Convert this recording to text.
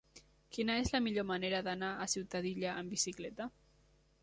Quina és la millor manera d'anar a Ciutadilla amb bicicleta?